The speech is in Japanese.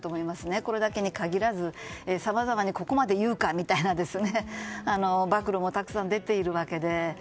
これだけに限らず、さまざまにここまで言うかというような暴露もたくさん出ているわけで。